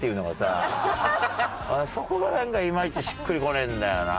そこがなんかいまいちしっくりこねえんだよな。